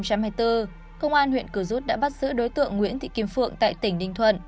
công an huyện cửu rút đã bắt giữ đối tượng nguyễn thị kim phượng tại tỉnh đinh thuận